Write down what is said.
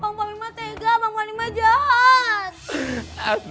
bang parmin mah tega bang parmin mah jahat